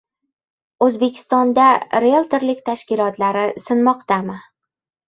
O‘zbekistonda rieltorlik tashkilotlari «sinmoqda»mi?